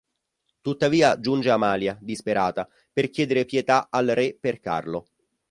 Tuttavia giunge Amalia, disperata, per chiedere pietà al re per Carlo.